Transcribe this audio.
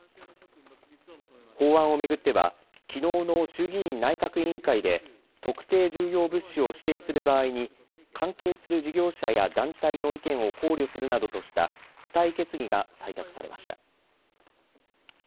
法案を巡ってはきのうの衆議院内閣委員会で特定重要物資を指定する場合に関係する事業者や団体の意見を考慮するなどとした付帯決議が採択されました。